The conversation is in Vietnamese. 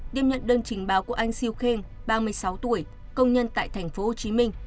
đem nhận đơn trình báo của anh siêu khen ba mươi sáu tuổi công nhân tại tp hcm